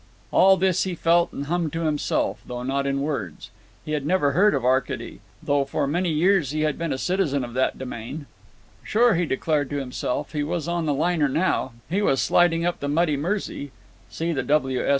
All this he felt and hummed to himself, though not in words. He had never heard of Arcady, though for many years he had been a citizen of that demesne. Sure, he declared to himself, he was on the liner now; he was sliding up the muddy Mersey (see the _W. S.